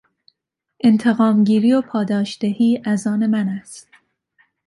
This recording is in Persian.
انتقامگیری و پاداشدهی از آن من است.